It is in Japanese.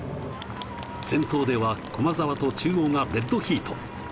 先頭では駒澤と中央がデッドヒート。